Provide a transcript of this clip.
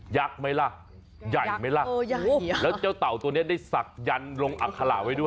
ยักษ์ไหมล่ะยักษ์ไหมล่ะแล้วเจ้าเตาตัวนี้ได้สักยันต์ลงอักษระไว้ด้วย